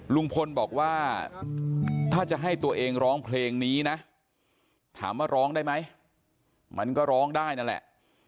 ลุงพลบอกว่าถ้าจะให้ตัวเองร้องเพลงนี้นะถามว่าร้องได้ไหมมันก็ร้องได้นั่นแหละ